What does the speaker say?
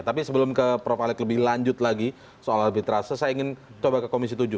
tapi sebelum ke prof alex lebih lanjut lagi soal habitase saya ingin coba ke komisi tujuh